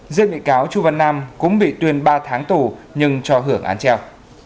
riêng bị cáo chu văn nam cũng bị tuyên ba tháng tù nhưng cho hưởng án treo